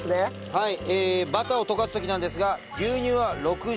はい。